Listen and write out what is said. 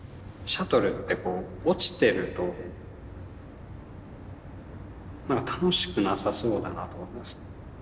シャトルってこう落ちてるとなんか楽しくなさそうだなと思ったんですよ。